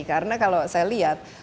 karena kalau saya lihat